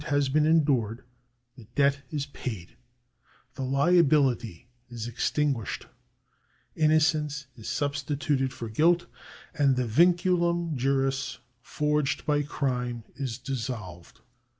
84 THE ADMINISTRATION OF JUSTICE [§ 31 been endured the debt is paid, the liability is extinguished, innocence is substituted for guilt, and the vinculum juris forged by crime is dissolved.